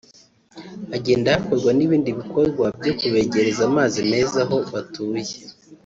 hagenda hakorwa n’ibindi bikorwa byo kubegereza amazi meza aho batuye